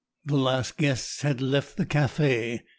The last guests had left the café.